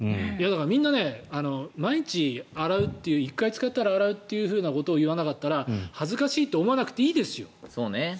みんな毎日、洗うという１回使ったら洗うということを言わなかったら恥ずかしいと思わなくていいですよ。